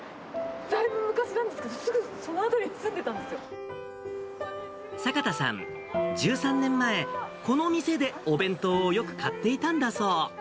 だいぶ昔なんですけど、坂田さん、１３年前、この店でお弁当をよく買っていたんだそう。